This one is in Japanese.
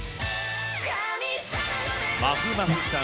まふまふさん。